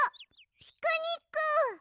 ピクニック！